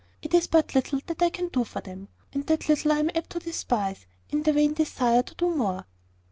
It is but little that I can do for them; and that little I am apt to despise, in the vain desire to do more."